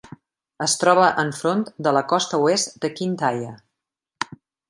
Es troba enfront de la costa oest de Kintyre.